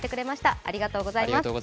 ありがとうございます。